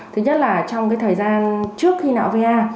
thứ nhất là trong thời gian trước khi nạo va